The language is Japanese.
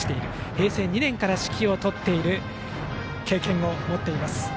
平成２年から指揮を執っている経験を持っています。